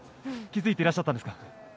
気づいていらっしゃったんですか？